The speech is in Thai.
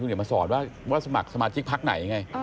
เดี๋ยวมาสอนว่าสมัครสมาชิกพักไหนไง